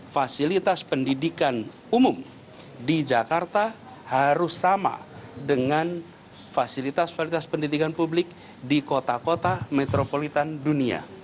fasilitas pendidikan umum di jakarta harus sama dengan fasilitas fasilitas pendidikan publik di kota kota metropolitan dunia